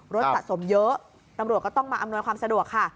สะสมเยอะตำรวจก็ต้องมาอำนวยความสะดวกค่ะ